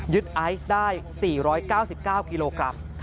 ไอซ์ได้๔๙๙กิโลกรัม